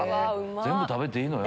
全部食べていいのよ。